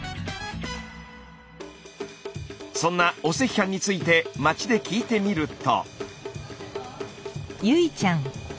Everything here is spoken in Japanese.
そんなお赤飯について街で聞いてみると。